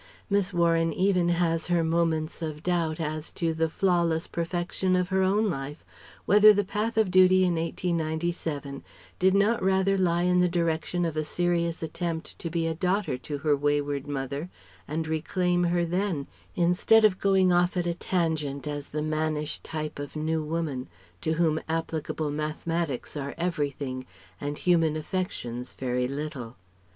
Miss Warren even has her moments of doubt as to the flawless perfection of her own life: whether the path of duty in 1897 did not rather lie in the direction of a serious attempt to be a daughter to her wayward mother and reclaim her then, instead of going off at a tangent as the mannish type of New Woman, to whom applicable Mathematics are everything and human affections very little.